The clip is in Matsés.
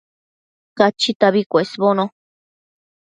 Cachitabi cuesbono